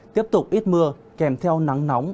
tiếp tục ít mưa kèm theo nắng nóng